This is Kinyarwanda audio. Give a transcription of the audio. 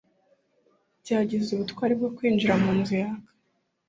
Byagize ubutwari bwo kwinjira munzu yaka.